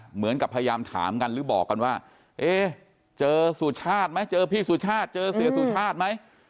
เหมือนกับพยายามถามกันหรือบอกกันว่าเอ๊ะเจอสุชาติไหมเจอพี่สุชาติเจอเสียสุชาติไหม